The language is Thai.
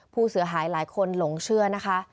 ผู้เสียหายหลายคนหลงเชื่อนะคะ